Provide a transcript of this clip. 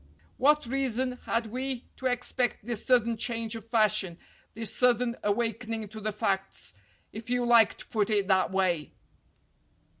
What reason had we to expect this sudden change of fashion, this sudden awakening to the facts, if you like to put it that way?"